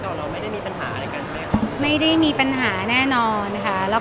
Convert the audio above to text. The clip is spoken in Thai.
ตอนนี้อ้อมก็ให้พี่ที่สนิทกันมาช่วยเป็นผู้จัดการ